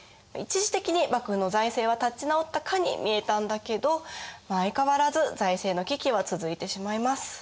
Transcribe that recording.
一時的に幕府の財政は立ち直ったかに見えたんだけど相変わらず財政の危機は続いてしまいます。